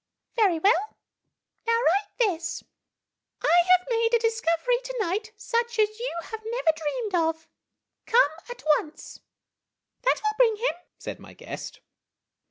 " Very well. Now write this :' I have made a discovery to night such as you never dreamed of. Come at once !' That will C> bring him," said my guest.